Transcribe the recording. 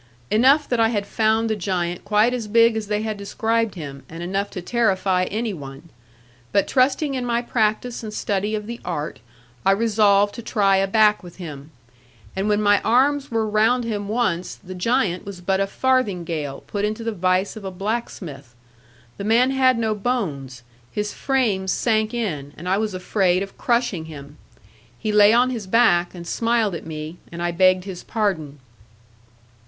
Enough that I had found the giant quite as big as they had described him, and enough to terrify any one. But trusting in my practice and study of the art, I resolved to try a back with him; and when my arms were round him once, the giant was but a farthingale put into the vice of a blacksmith. The man had no bones; his frame sank in, and I was afraid of crushing him. He lay on his back, and smiled at me; and I begged his pardon.